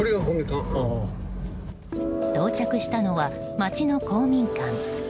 到着したのは町の公民館。